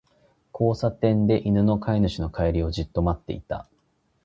交差点で、犬が飼い主の帰りをじっと待っていた。